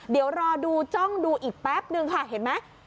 เดี๋ยวรอดูจ้องดูอีกแป๊บนึงค่ะเห็นไหม